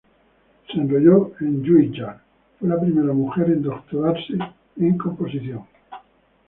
Se enroló en Juilliard, fue la primera mujer en doctorarse en composición.